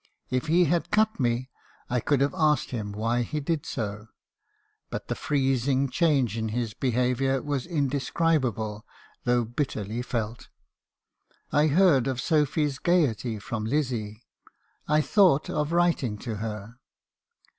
If he had cut me, I could have asked him why he did so. But the freezing change in his behaviour was indescribable though bit terly felt. I heard of Sophy's gaiety from Lizzie. I thought of writing to her.